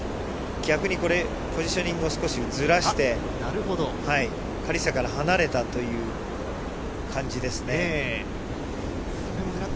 逆にこれ、ポジショニングを少しずらしてカリッサから離れたという感じですね。